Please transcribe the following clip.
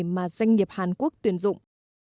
mà doanh nghiệp hàn quốc tuyển dụng